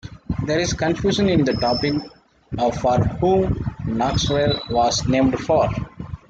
There is confusion in the topic of for whom Knoxville was named for.